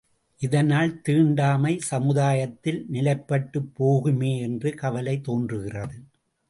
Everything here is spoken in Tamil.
இதனால் தீண்டாமை சமுதாயத்தில் நிலைப்பட்டுப் போகுமே என்ற கவலை தோன்றுகிறது.